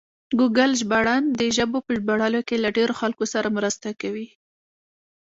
ګوګل ژباړن د ژبو په ژباړلو کې له ډېرو خلکو سره مرسته کوي.